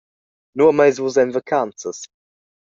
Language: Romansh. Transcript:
Nua meis vus en vacanzas?